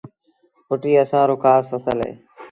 ڦُٽيٚ اسآݩ رو کآس ڦسل اهي